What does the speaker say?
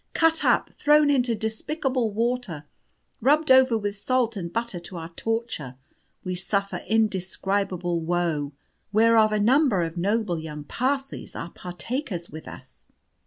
Cut up, thrown into despicable water; rubbed over with salt and butter to our torture, we suffer indescribable woe, whereof a number of noble young parsleys are partakers with us!"